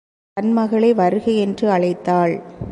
தன்மகளை வருக என்று அழைத்தாள்.